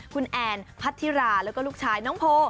คุณแอนพัทธิราแล้วก็ลูกชายน้องโพ